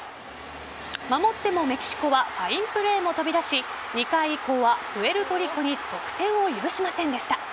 守ってもメキシコはファインプレーも飛び出し２回以降はプエルトリコに得点を許しませんでした。